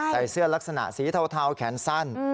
ใส่เสื้อลักษณะสีเทาแขนสั้น